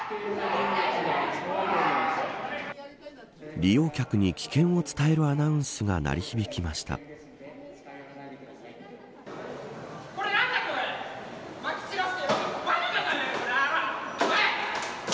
利用客に危険を伝えるアナウンスが響き渡ります。